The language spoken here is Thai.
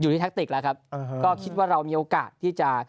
ที่แท็กติกแล้วครับก็คิดว่าเรามีโอกาสที่จะ